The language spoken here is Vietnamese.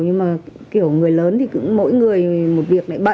nhưng mà kiểu người lớn thì cũng mỗi người một việc lại bận